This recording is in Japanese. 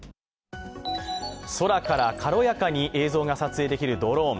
空から軽やかに映像が撮影できるドローン。